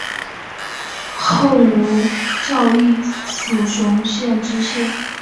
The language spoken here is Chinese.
后吴兆毅署雄县知县。